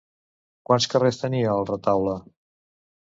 Quants carrers tenia el retaule?